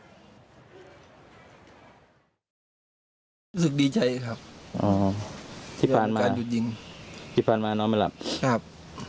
รู้สึกดีใจครับอ๋อที่ฟาลมาจุดยิงที่ฟาลมาน้ำมาหลับครับ